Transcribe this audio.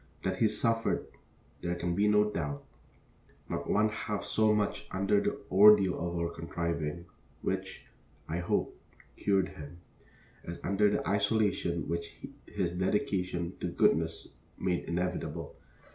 That he suffered there can be no doubt not one half so much under the ordeal of our contriving, which, I hope, cured him, as under the isolation which his dedication to goodness made inevitable.